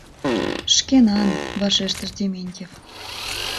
— Шкенан, — вашештыш Дементьев.